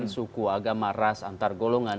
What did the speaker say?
suku agama ras antar golongan